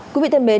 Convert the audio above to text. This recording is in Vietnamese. quý vị thân mến